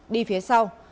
đi phía sau